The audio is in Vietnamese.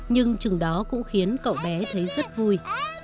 nhưng chừng đó cũng khiến cậu bé thấy rất vui